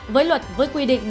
với luật với quy định